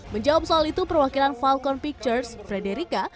menjawab soal itu perwakilan falcon pictures frederica